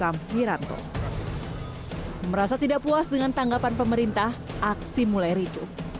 merasa tidak puas dengan tanggapan pemerintah aksi mulai ricu